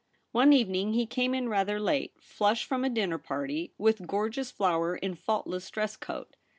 One evening he came in rather late, flush from a dinner party, with gorgeous flower in faultless dress coat.